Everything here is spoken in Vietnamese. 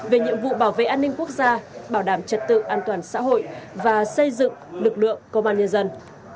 về nhiệm vụ bảo vệ an ninh quốc gia bảo đảm trật tự an toàn xã hội và xây dựng lực lượng công an nhân dân